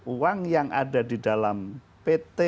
uang yang ada di dalam pt